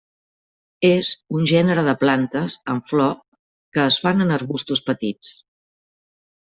És un gènere de plantes amb flor que es fan en arbustos petits.